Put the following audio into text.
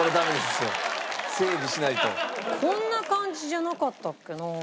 こんな感じじゃなかったっけなあ。